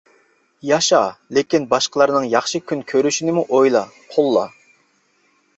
ياشا، لېكىن باشقىلارنىڭ ياخشى كۈن كۆرۈشىنىمۇ ئويلا، قوللا.